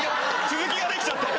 続きができちゃった！